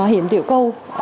hiểm tiểu cầu